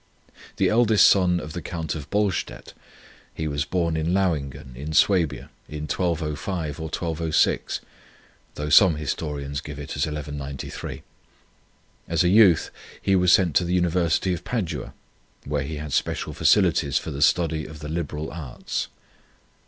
The eldest son of the Count of Bollstadt, he was born at Lauin gen in Swabia in 1205 or 1206, though some historians give it as 1193. As a youth he was sent to the University of Padua, where he had special facilities for the study of the liberal arts.